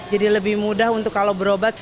jadi lebih mudah untuk kalau berobat